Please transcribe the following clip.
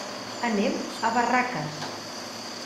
Anem a Barraques.